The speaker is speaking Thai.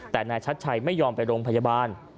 แต่นายชัดชัยไม่ยอมไปโรงพยาบาล